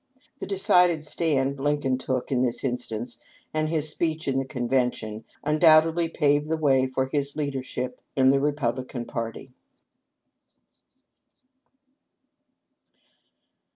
The decided stand Lincoln took in this instance, and his speech in the Convention, undoubtedly paved the way for his leadership in the Republican party.